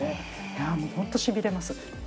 いやもうホントしびれます。